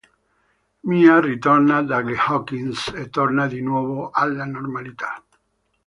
Mia ritorna dagli Hawkins e torna di nuovo alla normalità.